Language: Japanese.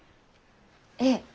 ええ。